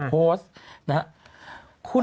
โพสต์นะครับ